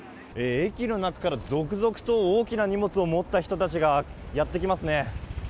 駅の中から続々と大きな荷物を持った人たちがやって来ますね。